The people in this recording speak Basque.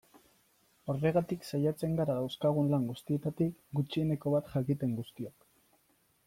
Horregatik saiatzen gara dauzkagun lan guztietatik gutxieneko bat jakiten guztiok.